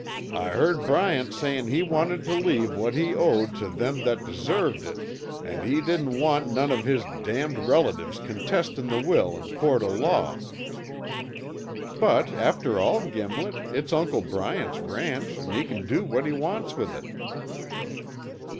I heard Bryant sayin' he wanted tuh leave what he owned tuh them that deserved it, an' he didn't want none of his damned relatives contestin' the will in court o' law." "But after all, Gimlet, it's Uncle Bryant's ranch and he can do what he wants with it."